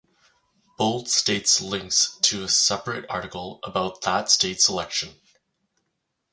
Bold states links to a separate article about that state's election.